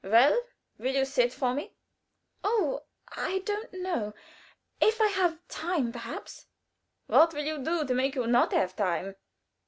Well, will you sit to me?" "Oh, I don't know. If I have time, perhaps." "What will you do to make you not have time?"